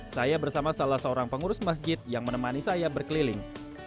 saya bersama salah seorang pengurus masjid yang menemani saya berkeliling